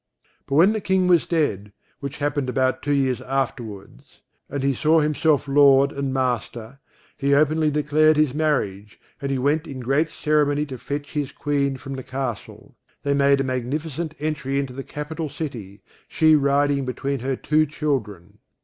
But when the King was dead, which happened about two years afterwards; and he saw himself lord and master, he openly declared his marriage; and he went in great ceremony to fetch his Queen from the castle. They made a magnificent entry into the capital city, she riding between her two children.